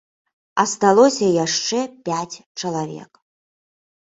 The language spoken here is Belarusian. Асталося яшчэ пяць чалавек.